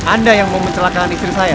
anda yang memencelakkan istri saya